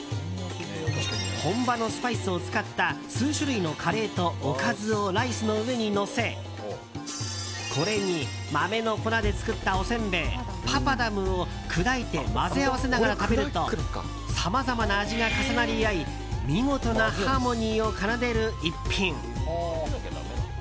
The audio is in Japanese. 本場のスパイスを使った数種類のカレーとおかずをライスの上にのせこれに豆の粉で作ったおせんべいパパダムを砕いて混ぜ合わせながら食べるとさまざまな味が重なり合い見事なハーモニーを奏でる逸品。